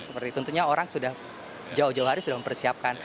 seperti tentunya orang sudah jauh jauh hari sudah mempersiapkan